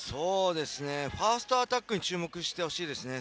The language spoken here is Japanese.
ファーストアタックに注目してほしいですね。